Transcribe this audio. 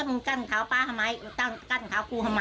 มึงกั้นขาวป๊าทำไมกั้นขาวครูทำไม